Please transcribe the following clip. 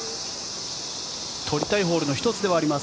取りたいホールの１つではあります。